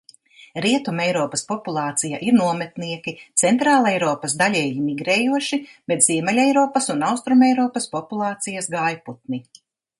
Rietumeiropas populācija ir nometnieki, Centrāleiropas daļēji migrējoši, bet Ziemeļeiropas un Austrumeiropas populācijas gājputni.